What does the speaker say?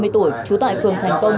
ba mươi tuổi trú tại phường thành công